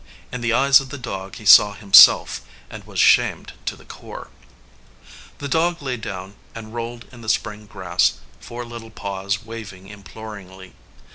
In the eyes of the dog he saw himself, and was shamed to the core. The dog lay down and rolled in the spring grass, four little paws waving imploringly.